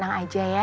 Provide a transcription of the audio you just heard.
abang tenang aja ya